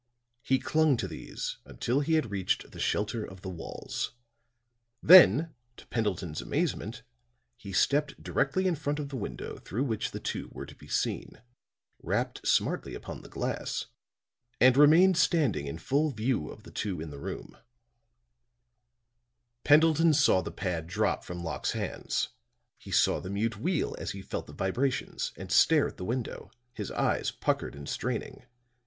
He clung to these until he had reached the shelter of the walls; then to Pendleton's amazement he stepped directly in front of the window through which the two were to be seen, rapped smartly upon the glass, and remained standing in full view, of the two in the room. [Illustration: HE RAPPED SMARTLY ON THE WINDOW] Pendleton saw the pad drop from Locke's hands; he saw the mute wheel as he felt the vibrations and stare at the window, his eyes puckered and straining.